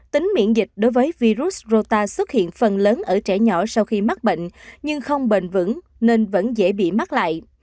tính miễn dịch đối với virus rota xuất hiện phần lớn ở trẻ nhỏ sau khi mắc bệnh nhưng không bền vững nên vẫn dễ bị mắc lại